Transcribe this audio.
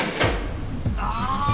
ああ！